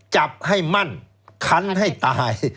จับให้มั่นคันให้ตาย